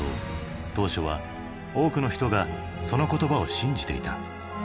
当初は多くの人がその言葉を信じていた。